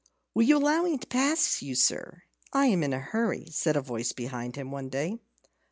"Will you allow me to pass you, sir? I am in a hurry," said a voice behind him one day.